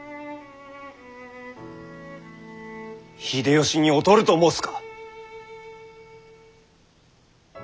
秀吉に劣ると申すか。